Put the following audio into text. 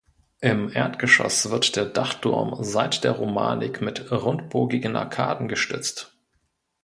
Im Erdgeschoss wird der Dachturm seit der Romanik mit rundbogigen Arkaden gestützt.